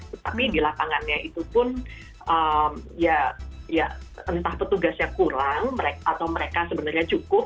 tetapi di lapangannya itu pun ya entah petugasnya kurang atau mereka sebenarnya cukup